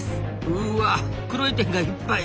うわ黒い点がいっぱい。